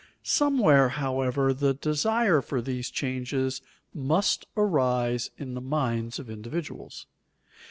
Somewhere, however, the desire for these changes must arise in the minds of individuals.